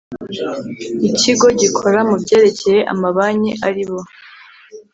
ikigo gikora mu byerekeye amabanki ari bo